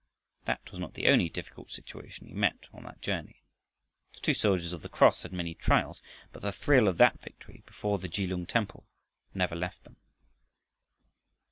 That was not the only difficult situation he met on that journey. The two soldiers of the cross had many trials, but the thrill of that victory before the Kelung temple never left them.